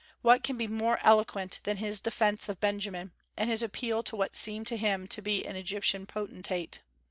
What can be more eloquent than his defence of Benjamin, and his appeal to what seemed to him to be an Egyptian potentate!